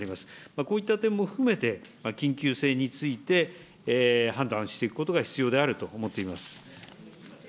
こういった点も含めて、緊急性について判断していくことが必要であると思っています。